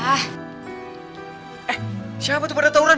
eh siapa tuh pada tauran